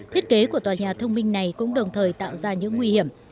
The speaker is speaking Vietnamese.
thiết kế của tòa nhà thông minh này cũng đồng thời tạo ra những nguy hiểm